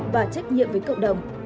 và trách nhiệm với cộng đồng